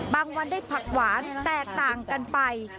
วันได้ผักหวานแตกต่างกันไป